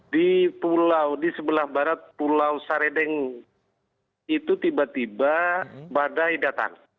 di pulau di sebelah barat pulau saredeng itu tiba tiba badai datang